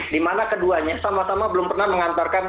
dimana keduanya sama sama belum pernah mengantarkan